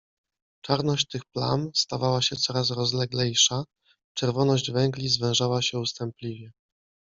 Czarność tych plam stawała się coraz rozleglejsza - czerwoność węgli zwężała się ustępliwie.